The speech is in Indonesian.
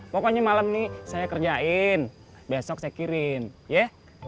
pokoknya malam ini saya kerjain besok saya kirin ya